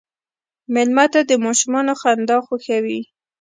مېلمه ته د ماشومانو خندا خوښوي.